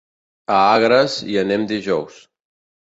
A Agres hi anem dijous.